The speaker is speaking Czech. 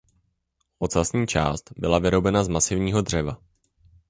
Ocasní část byla vyrobena z masivního dřeva.